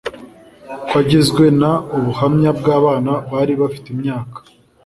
kigizwe n ubuhamya bw abana bari bafite imyaka